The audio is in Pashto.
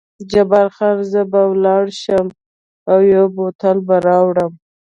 جبار خان: زه به ولاړ شم او یو بوتل به راوړم.